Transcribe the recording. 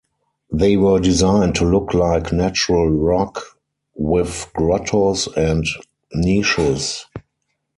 They were designed to look like natural rock, with grottos and niches.